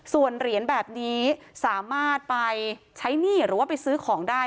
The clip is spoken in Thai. ส่วนเหรียญแบบนี้สามารถไปใช้หนี้หรือว่าไปซื้อของได้